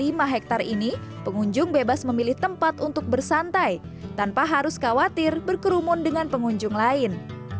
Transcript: di lokasi seluas satu ratus lima puluh tujuh lima hektare ini pengunjung bebas memilih tempat untuk bersantai tanpa harus khawatir berkerumun dengan pengunjung lain